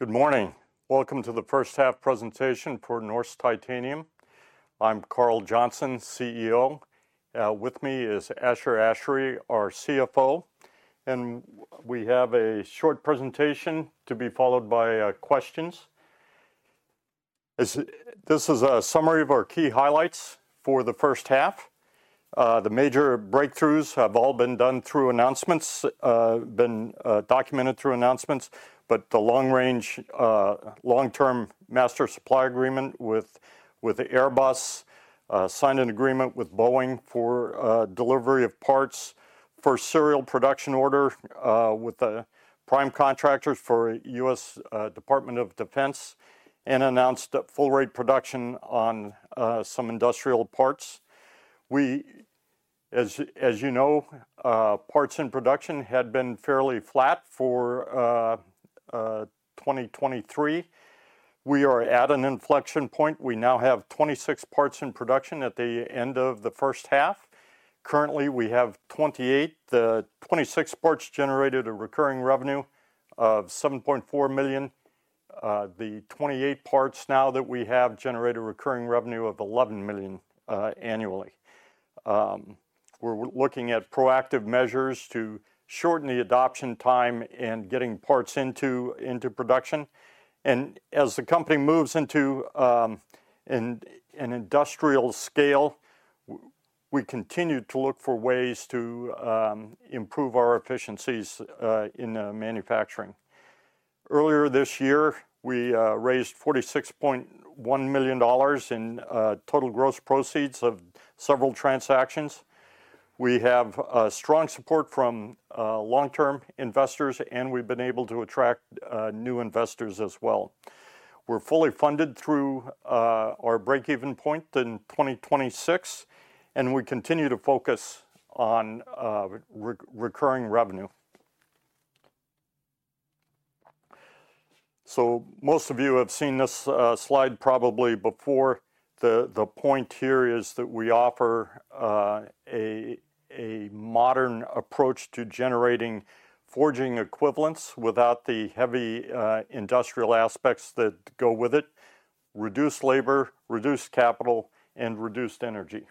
Good morning. Welcome to the first half presentation for Norsk Titanium. I'm Carl Johnson, CEO. With me is Ashar Ashary, our CFO, and we have a short presentation to be followed by questions. This is a summary of our key highlights for the first half. The major breakthroughs have all been done through announcements, documented through announcements, but the long-term master supply agreement with Airbus, signed an agreement with Boeing for delivery of parts, for serial production order, with the prime contractors for U.S. Department of Defense, and announced full rate production on some industrial parts. We, as you know, parts in production had been fairly flat for 2023. We are at an inflection point. We now have twenty-six parts in production at the end of the first half. Currently, we have twenty-eight. The twenty-six parts generated a recurring revenue of $7.4 million. The twenty-eight parts now that we have generate a recurring revenue of $11 million annually. We're looking at proactive measures to shorten the adoption time in getting parts into production, and as the company moves into an industrial scale, we continue to look for ways to improve our efficiencies in manufacturing. Earlier this year, we raised $46.1 million in total gross proceeds of several transactions. We have strong support from long-term investors, and we've been able to attract new investors as well. We're fully funded through our break-even point in 2026, and we continue to focus on recurring revenue. So most of you have seen this slide probably before. The point here is that we offer a modern approach to generating forging equivalents without the heavy industrial aspects that go with it, reduced labor, reduced capital, and reduced energy.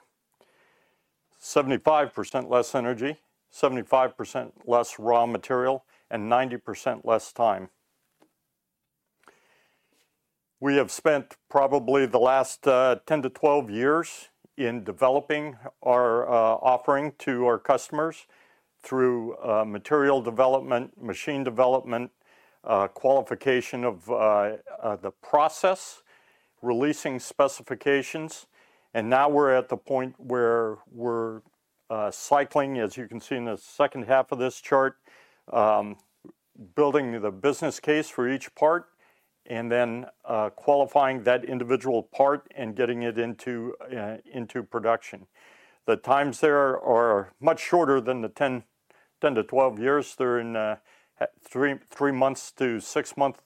75% less energy, 75% less raw material, and 90% less time. We have spent probably the last 10 to 12 years in developing our offering to our customers through material development, machine development, qualification of the process, releasing specifications, and now we're at the point where we're cycling, as you can see in the second half of this chart, building the business case for each part and then qualifying that individual part and getting it into production. The times there are much shorter than the 10 to 12 years. They're in 3 months to 6-month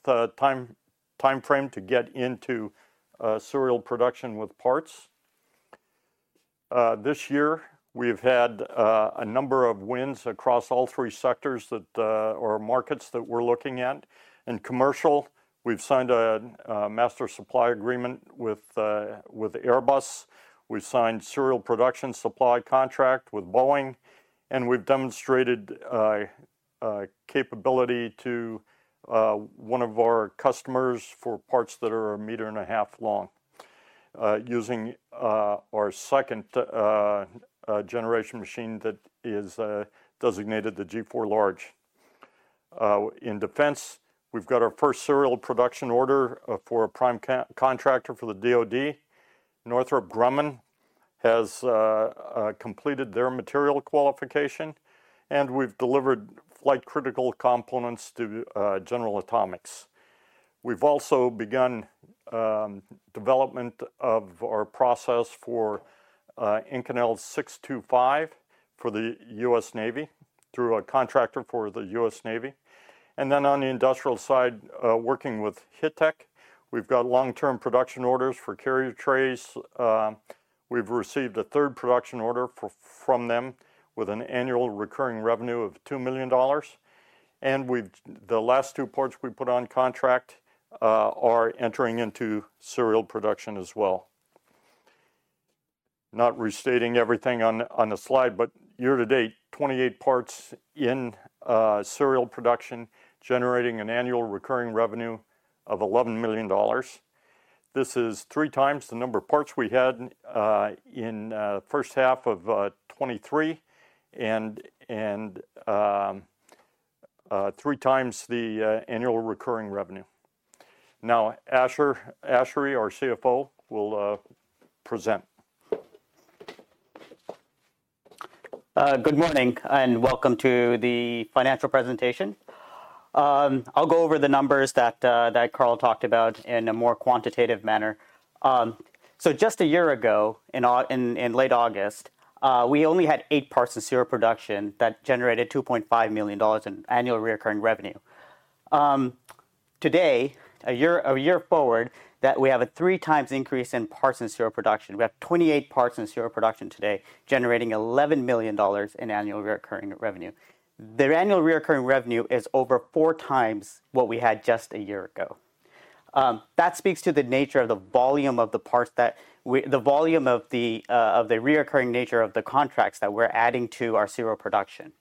timeframe to get into serial production with parts. This year, we've had a number of wins across all 3 sectors that or markets that we're looking at. In commercial, we've signed a master supply agreement with Airbus. We've signed serial production supply contract with Boeing, and we've demonstrated a capability to one of our customers for parts that are a meter and a half long, using our second generation machine that is designated the G4 Large. In defense, we've got our first serial production order for a prime contractor for the DoD. Northrop Grumman has completed their material qualification, and we've delivered flight-critical components to General Atomics. We've also begun development of our process for Inconel 625 for the U.S. Navy through a contractor for the U.S. Navy. Then on the industrial side, working with Hittech, we've got long-term production orders for carrier trays. We've received a third production order from them with an annual recurring revenue of $2 million, and we've the last two parts we put on contract are entering into serial production as well. Not restating everything on the slide, but year to date, 28 parts in serial production, generating an annual recurring revenue of $11 million. This is three times the number of parts we had in the first half of 2023, and three times the annual recurring revenue. Now, Ashar Ashary, our CFO, will present. Good morning, and welcome to the financial presentation. I'll go over the numbers that Carl talked about in a more quantitative manner, so just a year ago, in late August, we only had eight parts in serial production that generated $2.5 million in annual recurring revenue. Today, a year forward, we have a three times increase in parts in serial production. We have 28 parts in serial production today, generating $11 million in annual recurring revenue. The annual recurring revenue is over four times what we had just a year ago. That speaks to the nature of the volume of the parts, the recurring nature of the contracts that we're adding to our serial production.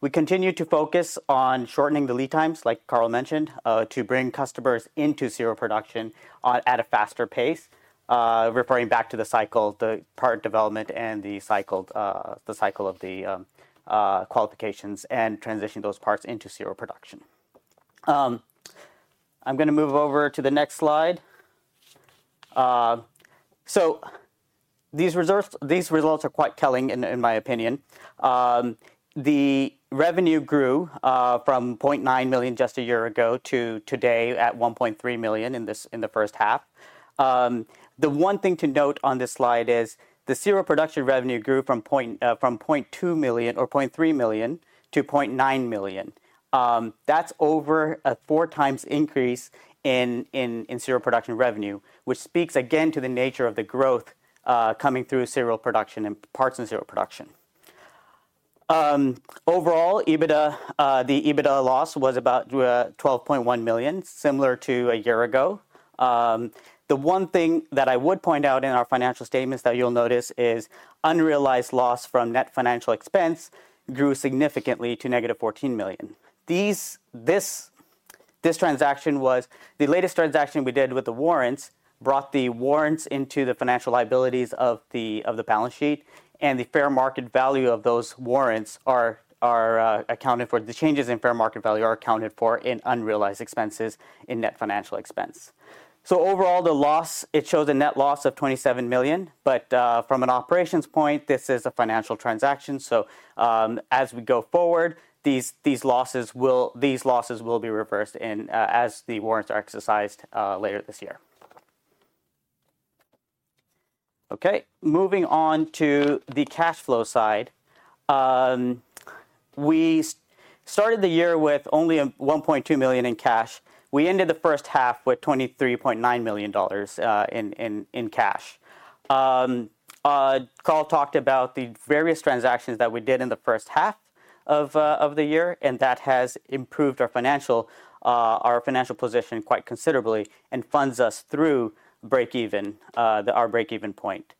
We continue to focus on shortening the lead times, like Carl mentioned, to bring customers into serial production at a faster pace, referring back to the cycle, the part development and the cycle, the cycle of the qualifications, and transition those parts into serial production. I'm gonna move over to the next slide. So these reserves, these results are quite telling in my opinion. The revenue grew from $0.9 million just a year ago to today at $1.3 million in the first half. The one thing to note on this slide is the serial production revenue grew from $0.2 million or $0.3 million to $0.9 million. That's over a four times increase in serial production revenue, which speaks again to the nature of the growth, coming through serial production and parts and serial production. Overall, EBITDA, the EBITDA loss was about $12.1 million, similar to a year ago. The one thing that I would point out in our financial statements that you'll notice is unrealized loss from net financial expense grew significantly to negative $14 million. This transaction was the latest transaction we did with the warrants, brought the warrants into the financial liabilities of the balance sheet, and the fair market value of those warrants are accounted for, the changes in fair market value are accounted for in unrealized expenses and net financial expense. So overall, the loss, it shows a net loss of $27 million, but from an operations point, this is a financial transaction. So as we go forward, these losses will be reversed in as the warrants are exercised later this year. Okay, moving on to the cash flow side. We started the year with only $1.2 million in cash. We ended the first half with $23.9 million in cash. Carl talked about the various transactions that we did in the first half of the year, and that has improved our financial position quite considerably and funds us through break even, our break-even point.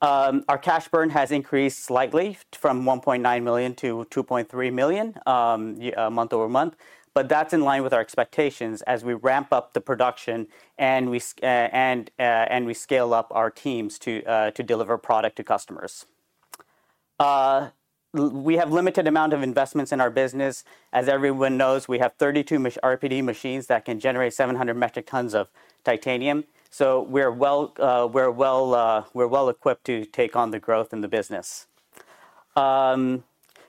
Our cash burn has increased slightly from $1.9 million to $2.3 million month over month, but that's in line with our expectations as we ramp up the production and we scale up our teams to deliver product to customers. We have limited amount of investments in our business. As everyone knows, we have 32 RPD machines that can generate 700 metric tons of titanium, so we're well equipped to take on the growth in the business.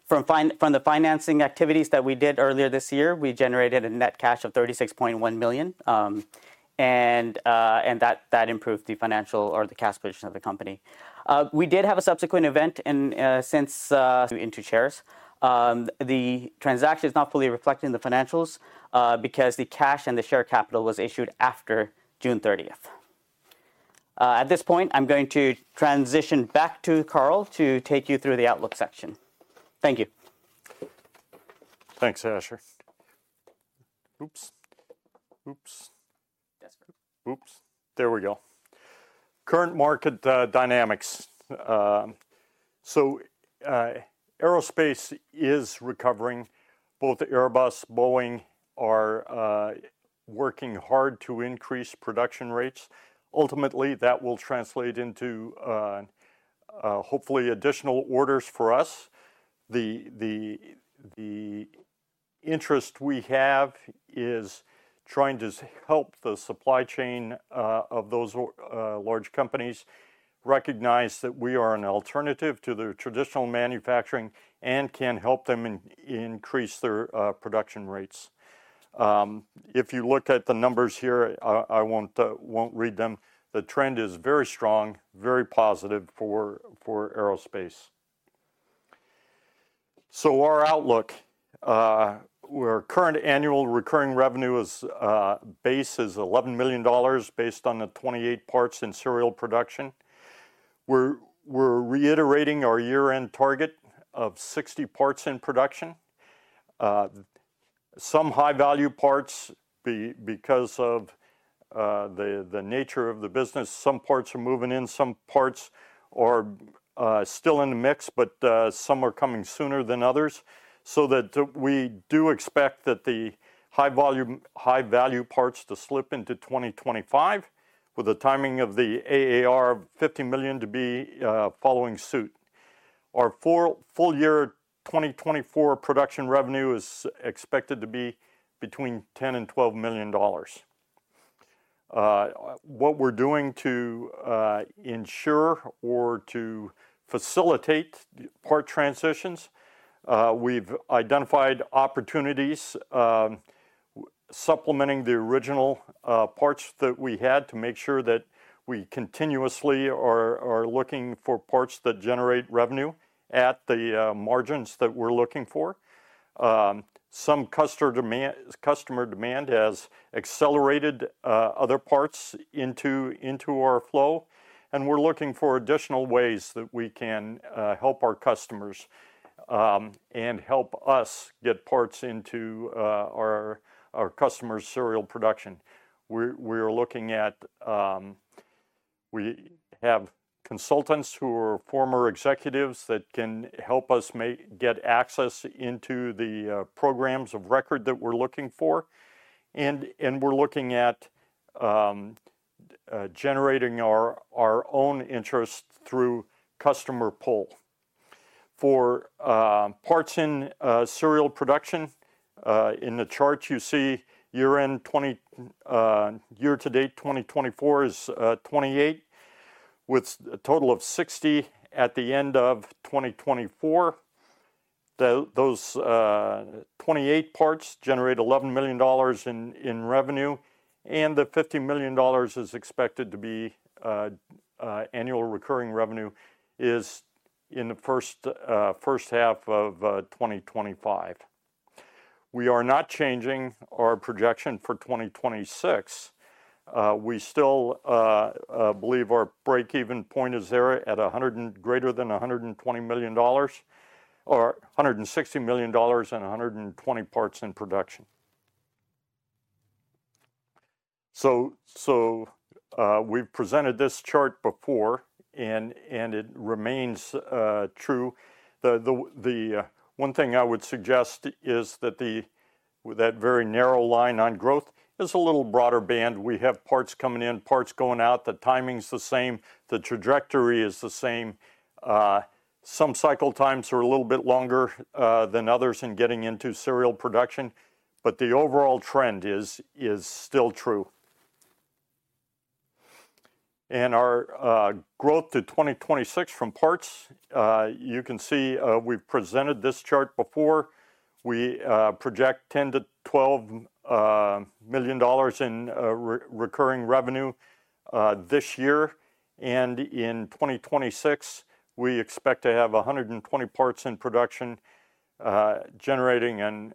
From the financing activities that we did earlier this year, we generated a net cash of $36.1 million, and that improved the financial or the cash position of the company. We did have a subsequent event issuance into shares. The transaction is not fully reflected in the financials because the cash and the share capital was issued after 30 June. At this point, I'm going to transition back to Carl to take you through the outlook section. Thank you. Thanks, Ashar. Oops. Oops. That's better. Oops. There we go. Current market dynamics. So, aerospace is recovering. Both Airbus, Boeing are working hard to increase production rates. Ultimately, that will translate into hopefully additional orders for us. The interest we have is trying to help the supply chain of those large companies recognize that we are an alternative to the traditional manufacturing and can help them increase their production rates. If you look at the numbers here, I won't read them, the trend is very strong, very positive for aerospace. So our outlook, our current annual recurring revenue is $11 million, based on the 28 parts in serial production. We're reiterating our year-end target of 60 parts in production. Some high-value parts, because of the nature of the business, some parts are moving in, some parts are still in the mix, but some are coming sooner than others. So that we do expect that the high volume, high-value parts to slip into 2025, with the timing of the ARR of $50 million to be following suit. Our full year 2024 production revenue is expected to be between $10 million and $12 million. What we're doing to ensure or to facilitate the part transitions, we've identified opportunities supplementing the original parts that we had to make sure that we continuously are looking for parts that generate revenue at the margins that we're looking for. Some customer demand has accelerated other parts into our flow, and we're looking for additional ways that we can help our customers and help us get parts into our customers' serial production. We're looking at. We have consultants who are former executives that can help us get access into the programs of record that we're looking for, and we're looking at generating our own interest through customer pull. For parts in serial production, in the chart you see, year-to-date 2024 is 28, with a total of 60 at the end of 2024. Those 28 parts generate $11 million in revenue, and the $50 million is expected to be annual recurring revenue in the first half of 2025. We are not changing our projection for 2026. We still believe our break-even point is there at a hundred and greater than $120 million, or $160 million and 120 parts in production. We've presented this chart before, and it remains true. One thing I would suggest is that with that very narrow line on growth, it's a little broader band. We have parts coming in, parts going out. The timing's the same. The trajectory is the same. Some cycle times are a little bit longer than others in getting into serial production, but the overall trend is still true. And our growth to 2026 from parts, you can see, we've presented this chart before. We project $10-12 million in recurring revenue this year, and in 2026, we expect to have 120 parts in production, generating an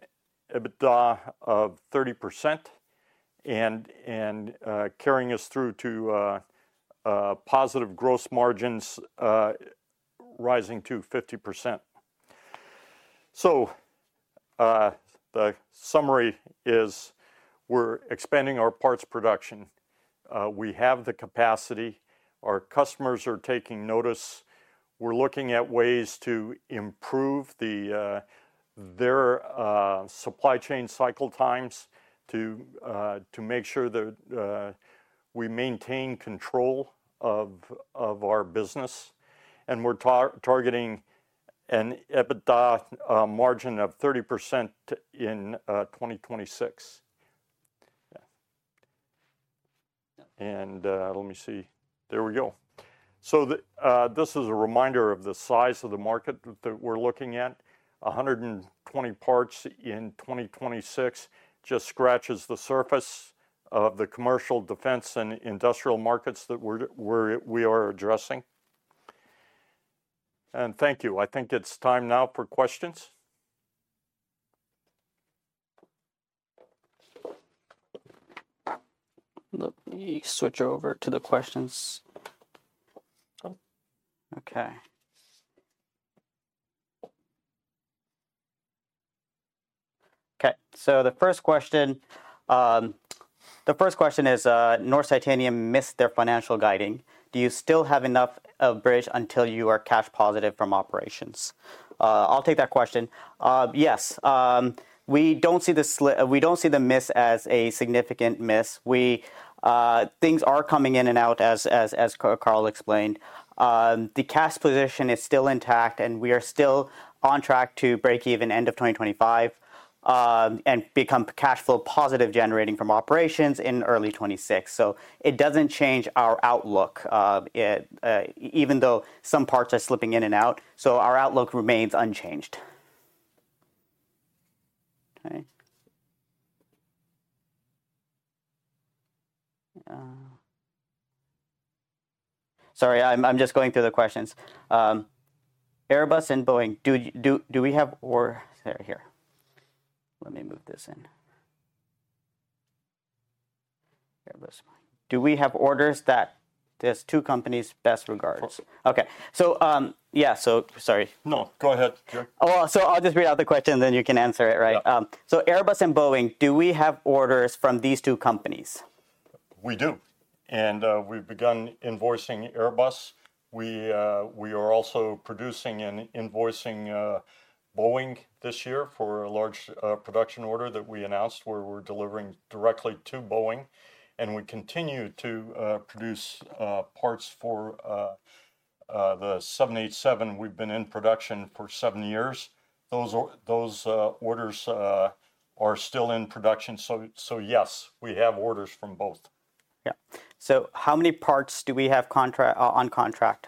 EBITDA of 30%, and carrying us through to positive gross margins rising to 50%. So, the summary is, we're expanding our parts production. We have the capacity. Our customers are taking notice. We're looking at ways to improve their supply chain cycle times to make sure that we maintain control of our business, and we're targeting an EBITDA margin of 30% in 2026. Yeah, and let me see. There we go, so this is a reminder of the size of the market that we're looking at. 120 parts in 2026 just scratches the surface of the commercial defense and industrial markets that we are addressing, and thank you. I think it's time now for questions. Let me switch over to the questions. Okay. Okay, so the first question is, "Norsk Titanium missed their financial guidance. Do you still have enough of a bridge until you are cash positive from operations?" I'll take that question. Yes. We don't see the miss as a significant miss. Things are coming in and out, as Carl explained. The cash position is still intact, and we are still on track to break even end of 2025, and become cash flow positive, generating from operations in early 2026. So it doesn't change our outlook. Even though some parts are slipping in and out, so our outlook remains unchanged. Okay. Sorry, I'm just going through the questions. Airbus and Boeing. "Do we have orders that these two companies... Best regards. Of course. Okay, so yeah, so sorry. No, go ahead, Jerry. Oh, so I'll just read out the question, then you can answer it, right? Yeah. So Airbus and Boeing, do we have orders from these two companies? We do, and we've begun invoicing Airbus. We are also producing and invoicing Boeing this year for a large production order that we announced, where we're delivering directly to Boeing, and we continue to produce parts for the 787. We've been in production for seven years. Those orders are still in production, so yes, we have orders from both. Yeah. So how many parts do we have on contract?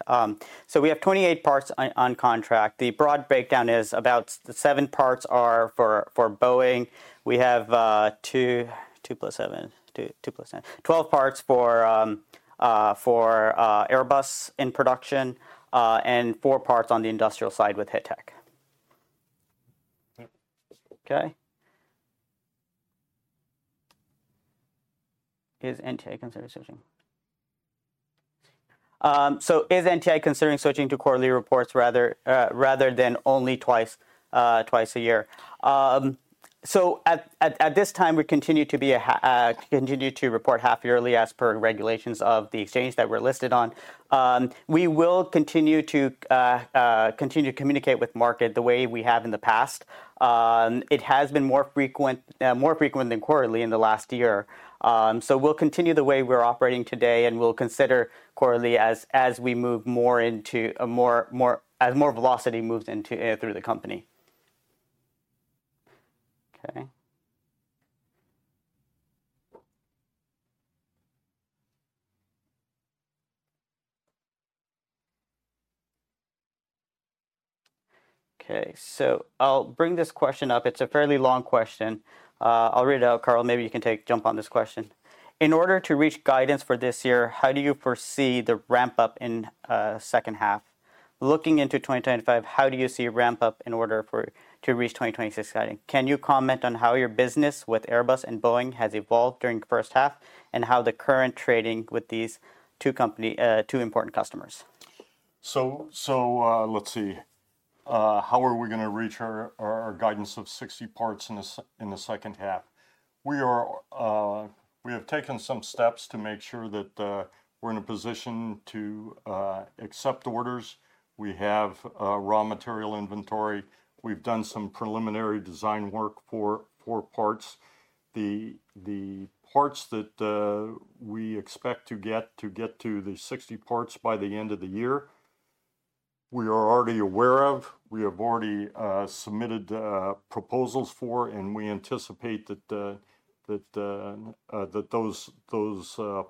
So we have 28 parts on contract. The broad breakdown is about seven parts are for Boeing. We have two plus seven, 12 parts for Airbus in production, and four parts on the industrial side with Hitek. Yeah. Okay. Is NTI considering switching? So is NTI considering switching to quarterly reports rather than only twice a year? So at this time, we continue to report half-yearly as per regulations of the exchange that we're listed on. We will continue to communicate with market the way we have in the past. And it has been more frequent than quarterly in the last year. So we'll continue the way we're operating today, and we'll consider quarterly as more velocity moves into through the company. Okay. Okay, so I'll bring this question up. It's a fairly long question. I'll read it out. Carl, maybe you can take jump on this question. In order to reach guidance for this year, how do you foresee the ramp up in second half? Looking into 2025, how do you see a ramp up in order for to reach 2026 guiding? Can you comment on how your business with Airbus and Boeing has evolved during the first half, and how the current trading with these two company, two important customers? Let's see. How are we gonna reach our guidance of 60 parts in the second half? We have taken some steps to make sure that we're in a position to accept orders. We have raw material inventory. We've done some preliminary design work for parts. The parts that we expect to get to the 60 parts by the end of the year, we are already aware of, we have already submitted proposals for, and we anticipate that those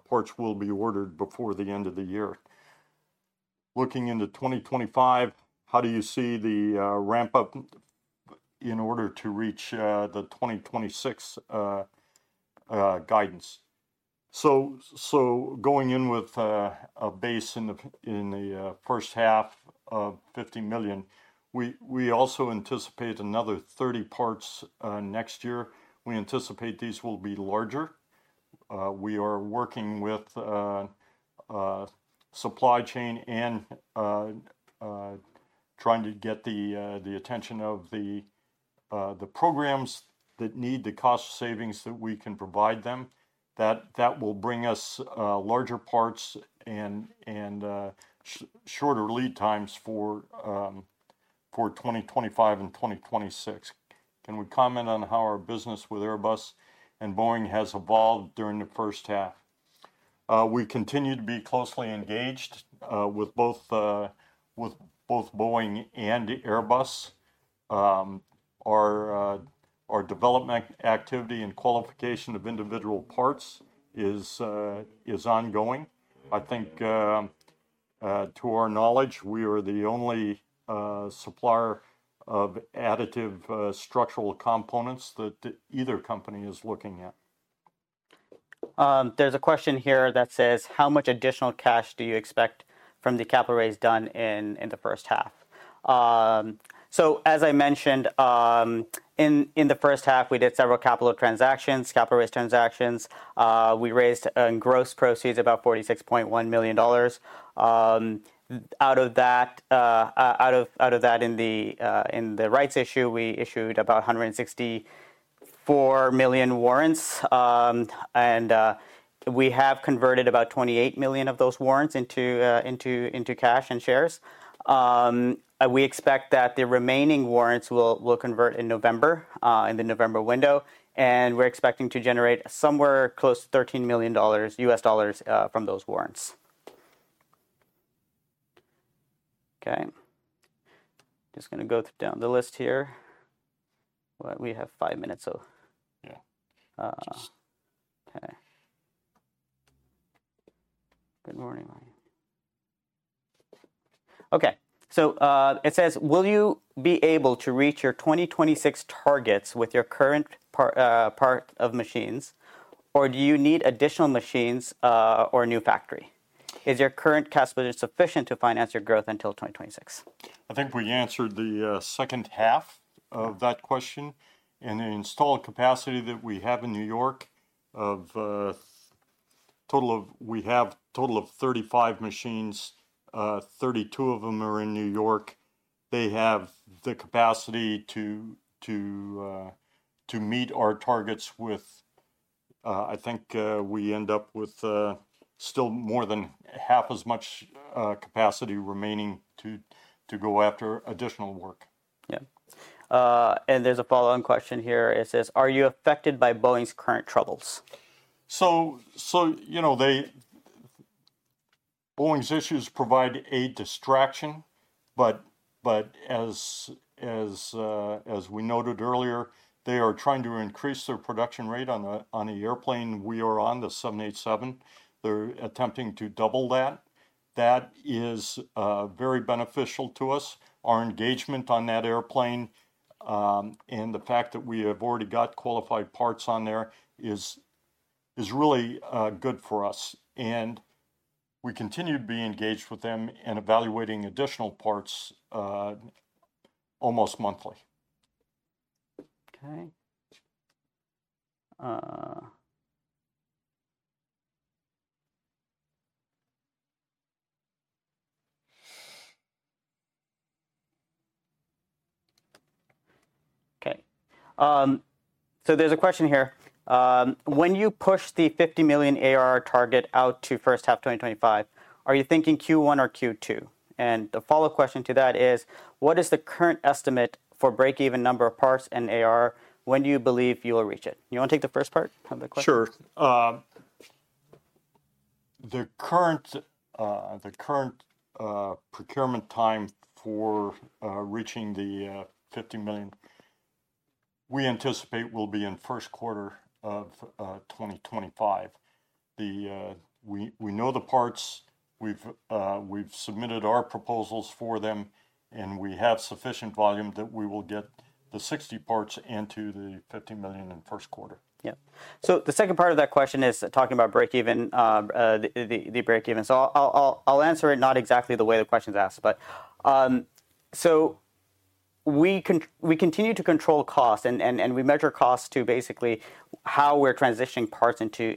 parts will be ordered before the end of the year. Looking into 2025, how do you see the ramp up in order to reach the 2026 guidance? So going in with a base in the first half of $50 million, we also anticipate another 30 parts next year. We anticipate these will be larger. We are working with a supply chain and trying to get the attention of the programs that need the cost savings that we can provide them. That will bring us larger parts and shorter lead times for 2025 and 2026. Can we comment on how our business with Airbus and Boeing has evolved during the first half? We continue to be closely engaged with both Boeing and Airbus. Our development activity and qualification of individual parts is ongoing. I think, to our knowledge, we are the only supplier of additive structural components that either company is looking at. There's a question here that says: "How much additional cash do you expect from the capital raise done in the first half?" So as I mentioned, in the first half, we did several capital transactions, capital raise transactions. We raised in gross proceeds about $46.1 million. Out of that, in the rights issue, we issued about 164 million warrants. And we have converted about 28 million of those warrants into cash and shares. And we expect that the remaining warrants will convert in November, in the November window, and we're expecting to generate somewhere close to $13 million US dollars from those warrants. Okay, just gonna go down the list here. Well, we have five minutes, so- Yeah. Uh- Just- Okay. Good morning. Okay, so, it says: Will you be able to reach your 2026 targets with your current park of machines, or do you need additional machines, or a new factory? Is your current capacity sufficient to finance your growth until 2026? I think we answered the second half of that question. In the installed capacity that we have in New York, of total of 35 machines, 32 of them are in New York. They have the capacity to meet our targets with... I think we end up with still more than half as much capacity remaining to go after additional work. Yeah. There's a follow-on question here. It says: Are you affected by Boeing's current troubles? So, you know, Boeing's issues provide a distraction, but as we noted earlier, they are trying to increase their production rate on an airplane. We are on the 787. They're attempting to double that. That is very beneficial to us. Our engagement on that airplane, and the fact that we have already got qualified parts on there is really good for us, and we continue to be engaged with them and evaluating additional parts almost monthly. Okay. So there's a question here: When you push the 50 million ARR target out to first half 2025, are you thinking Q1 or Q2? And the follow-up question to that is: What is the current estimate for break-even number of parts and ARR? When do you believe you will reach it? You wanna take the first part of the question? Sure. The current procurement time for reaching the $50 million, we anticipate will be in Q1 of 2025. We know the parts. We've submitted our proposals for them, and we have sufficient volume that we will get the 60 parts into the $50 million in Q1. Yeah. So the second part of that question is talking about break-even. So I'll answer it not exactly the way the question's asked, but. So we continue to control costs, and we measure costs to basically how we're transitioning parts into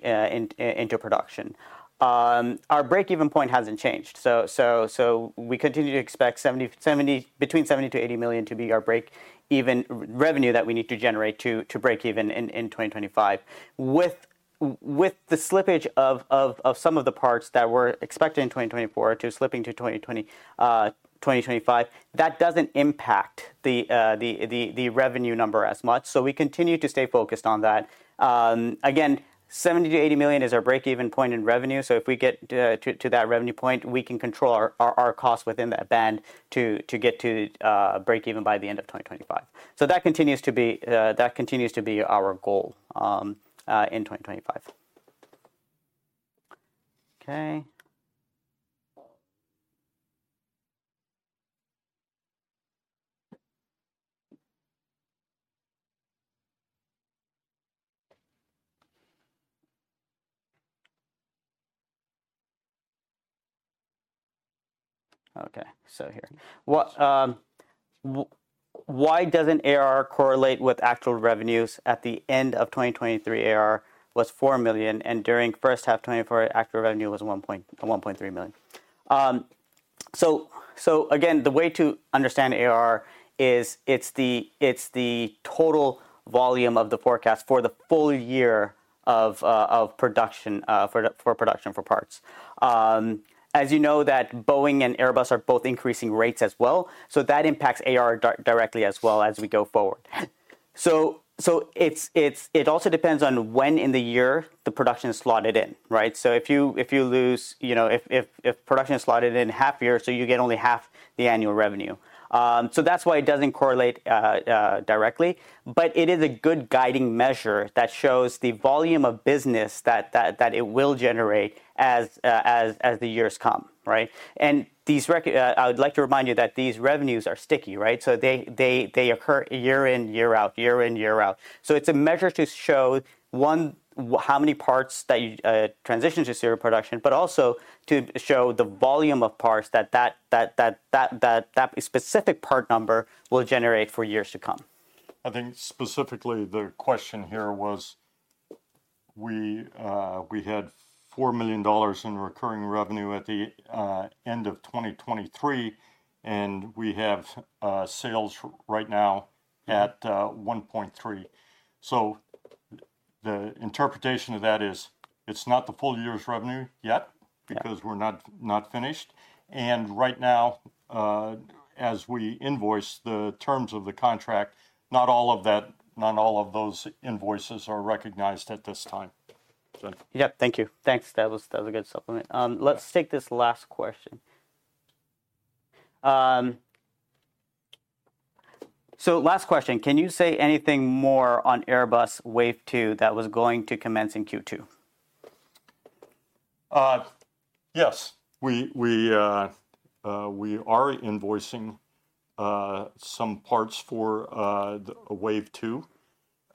production. Our break-even point hasn't changed, so we continue to expect $70-$80 million to be our break-even revenue that we need to generate to break even in 2025. With the slippage of some of the parts that were expected in 2024 slipping to 2025, that doesn't impact the revenue number as much, so we continue to stay focused on that. Again, 70-80 million is our break-even point in revenue, so if we get to that revenue point, we can control our costs within that band to get to break-even by the end of 2025. So that continues to be our goal in 2025. Okay. Okay, so here. Why doesn't ARR correlate with actual revenues? At the end of 2023, ARR was $4 million, and during first half 2024, actual revenue was $1.3 million. So again, the way to understand ARR is it's the total volume of the forecast for the full year of production for parts. As you know, that Boeing and Airbus are both increasing rates as well, so that impacts ARR directly as well as we go forward. So it also depends on when in the year the production is slotted in, right? So if production is slotted in half year, so you get only half the annual revenue. So that's why it doesn't correlate directly, but it is a good guiding measure that shows the volume of business that it will generate as the years come, right? And these revenues are sticky, right? So they occur year in, year out, year in, year out. It's a measure to show one, how many parts that you transition to serial production, but also to show the volume of parts that that specific part number will generate for years to come. I think specifically, the question here was, we had $4 million in recurring revenue at the end of 2023, and we have sales right now at $1.3. So the interpretation of that is, it's not the full year's revenue yet. Yeah... because we're not finished, and right now, as we invoice the terms of the contract, not all of that, not all of those invoices are recognized at this time. So- Yep, thank you. Thanks. That was a good supplement. Yeah. Let's take this last question. So last question: Can you say anything more on Airbus Wave 2 that was going to commence in Q2? Yes. We are invoicing some parts for the wave two.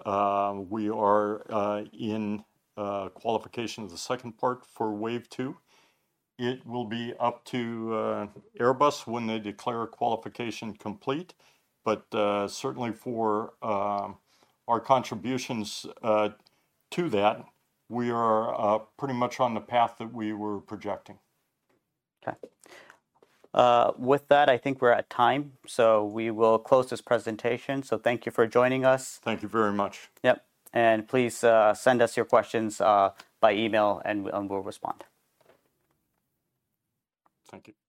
We are in qualification of the second part for wave two. It will be up to Airbus when they declare qualification complete, but certainly for our contributions to that, we are pretty much on the path that we were projecting. Okay. With that, I think we're at time, so we will close this presentation. So thank you for joining us. Thank you very much. Yep, and please, send us your questions by email, and we'll respond. Thank you.